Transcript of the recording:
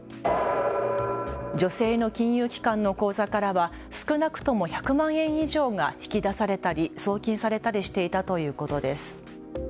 女性の金融機関の口座からは少なくとも１００万円以上が引き出されたり送金されたりしていたということです。